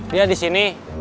dia di sini